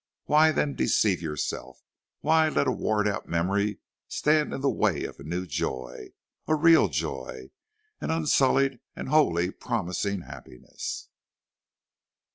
Why then deceive yourself; why let a worn out memory stand in the way of a new joy, a real joy, an unsullied and wholly promising happiness?"